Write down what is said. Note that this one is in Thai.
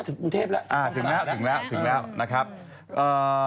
ถึงกรุงเทพแล้วอ่าถึงแล้วถึงแล้วถึงแล้วนะครับเอ่อ